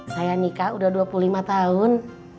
saya nikah udah dua puluh lima tahun